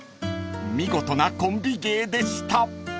［見事なコンビ芸でした］